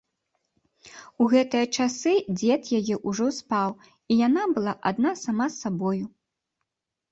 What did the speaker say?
У гэтыя часы дзед яе ўжо спаў, і яна была адна сама з сабою.